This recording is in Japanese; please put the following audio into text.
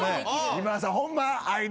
今田さんホンマ。